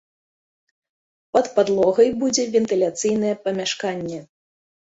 Пад падлогай будзе вентыляцыйнае памяшканне.